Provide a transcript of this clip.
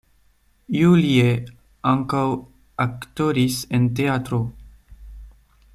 Julie ankaŭ aktoris en teatro.